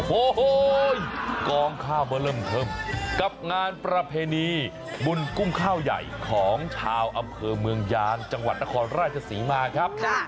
โอ้โหกองข้าวมาเริ่มเทิมกับงานประเพณีบุญกุ้งข้าวใหญ่ของชาวอำเภอเมืองยางจังหวัดนครราชศรีมาครับ